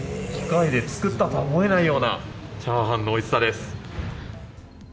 機械で作ったとは思えないようなチャーハンのおいしさです。